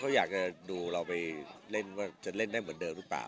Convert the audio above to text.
เขาอยากจะดูเราไปเล่นว่าจะเล่นได้เหมือนเดิมหรือเปล่า